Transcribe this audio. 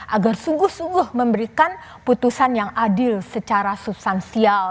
agar sungguh sungguh memberikan putusan yang adil secara substansial